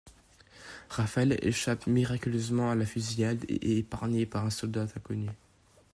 Rafael échappe miraculeusement à la fusillade et est épargné par un soldat inconnu.